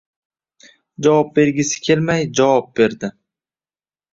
Javob bergisi kelmay javob berdi.